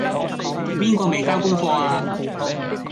邊個未交功課呀?